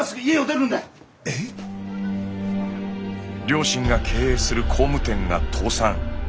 両親が経営する工務店が倒産。